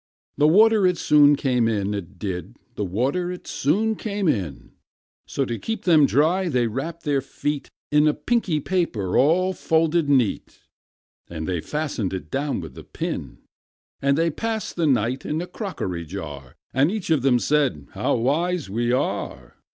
The water it soon came in, it did; The water it soon came in: So, to keep them dry, they wrapped their feet In a pinky paper all folded neat; And they fastened it down with a pin. And they passed the night in a crockery jar; And each of them said, "How wise we are!